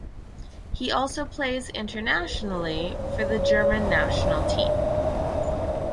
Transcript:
He also plays internationally for the German national team.